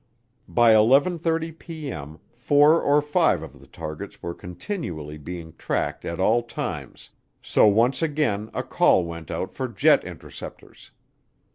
By 11:30P.M. four or five of the targets were continually being tracked at all times, so once again a call went out for jet interceptors.